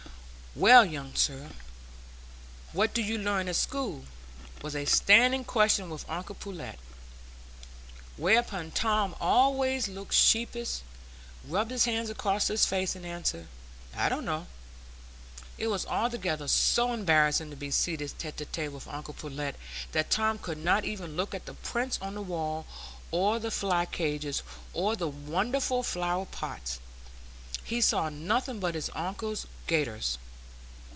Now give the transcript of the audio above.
"Well, young sir, what do you learn at school?" was a standing question with uncle Pullet; whereupon Tom always looked sheepish, rubbed his hands across his face, and answered, "I don't know." It was altogether so embarrassing to be seated tête à tête with uncle Pullet, that Tom could not even look at the prints on the walls, or the flycages, or the wonderful flower pots; he saw nothing but his uncle's gaiters.